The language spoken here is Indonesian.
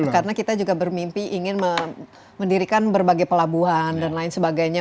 karena kita juga bermimpi ingin mendirikan berbagai pelabuhan dan lain sebagainya